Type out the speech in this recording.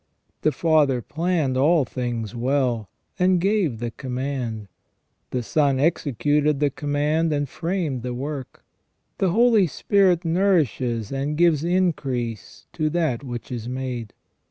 The Father planned all things well, and gave the command ; the Son executed the command and framed the work ; the Holy Spirit nourishes and gives increase to that which is made.